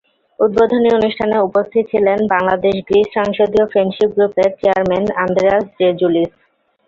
উদ্বোধনী অনুষ্ঠানে উপস্থিত ছিলেন বাংলাদেশ গ্রিস সংসদীয় ফ্রেন্ডশিপ গ্রুপের চেয়ারম্যান আন্দ্রেয়াস রেজুলিস।